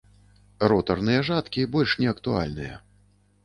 Ротарныя жаткі больш не актуальныя.